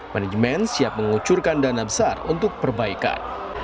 manajemen siap mengucurkan dana besar untuk perbaikan